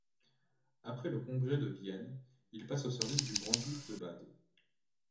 Après le congrès de Vienne, il passe au service du grand-duc de Bade.